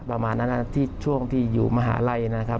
ประมาณนั้นที่ช่วงที่อยู่มหาลัยนะครับ